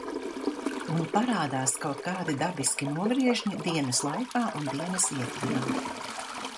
Un parādās kaut kādi dabiski nogriežņi dienas laikā un dienas ietvarā.